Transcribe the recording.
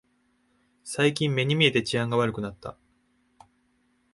最近目に見えて治安が悪くなった